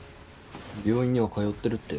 病院には通ってるって？